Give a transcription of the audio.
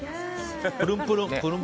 プルンプルン。